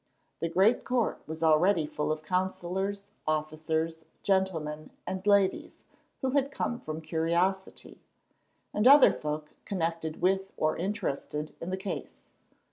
The great court was already full of counsellors, officers, gentlemen, and ladies who had come from curiosity, and other folk connected with or interested in the case.